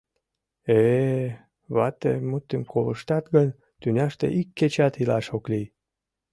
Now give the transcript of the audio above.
Э-е, вате мутым колыштат гын, тӱняште ик кечат илаш ок лий...